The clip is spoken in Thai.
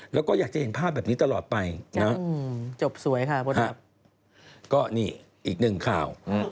แล้วก็อยากจะเห็นภาพแบบนี้ตลอดไปนะ